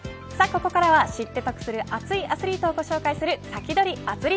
ここからは知って得する熱いアスリート情報を紹介するサキドリ！